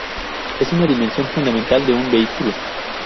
Es una dimensión fundamental de un vehículo.